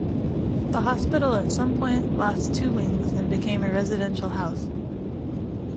The Hospital at some point lost two wings, and became a residential house.